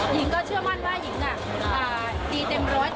หญิงก็เชื่อมั่นว่าหญิงดีเต็มร้อย